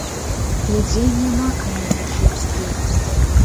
Людзей няма каму вучыць ездзіць.